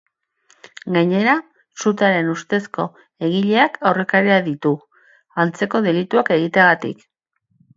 Gainera, sutearen ustezko egileak aurrekariak ditu, antzeko delituak egiteagatik.